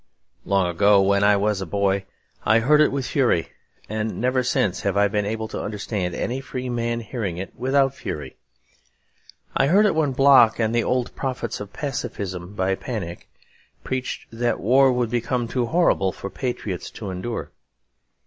Long ago, when I was a boy, I heard it with fury; and never since have I been able to understand any free man hearing it without fury. I heard it when Bloch, and the old prophets of pacifism by panic, preached that war would become too horrible for patriots to endure.